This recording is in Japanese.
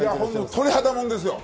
鳥肌もんですよ。